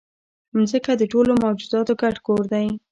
مځکه د ټولو موجوداتو ګډ کور دی.